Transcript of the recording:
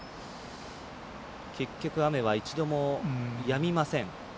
結局、雨は一度もやみません。